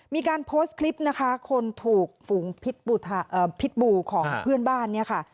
มีการโพสต์คลิปนะคะคนถูกฝูงพิษบูของเพื่อนบ้านเนี่ยค่ะ